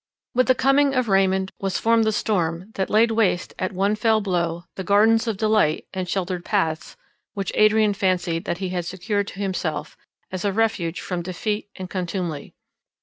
With the coming of Raymond was formed the storm that laid waste at one fell blow the gardens of delight and sheltered paths which Adrian fancied that he had secured to himself, as a refuge from defeat and contumely.